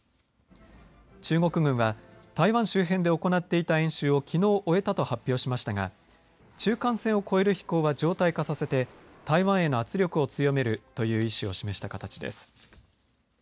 中国軍は台湾周辺で行っていた演習をきのう終えたと発表しましたが中間線を越える飛行は常態化させて台湾への圧力を強めるという意思を示した形です。